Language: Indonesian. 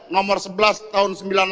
nomor sebelas tahun sembilan puluh delapan